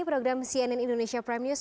program cnn indonesia prime news